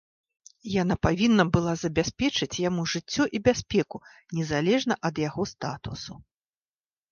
Яна павінна была забяспечыць яму жыццё і бяспеку, незалежна ад яго статусу.